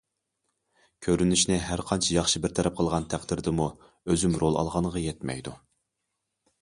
كۆرۈنۈشنى ھەرقانچە ياخشى بىر تەرەپ قىلغان تەقدىردىمۇ، ئۆزۈم رول ئالغانغا يەتمەيدۇ.